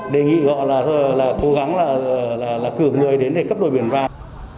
đề nghị họ cố gắng cử người đến để cấp đổi biển vàng